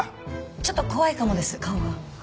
ちょっと怖いかもです顔が。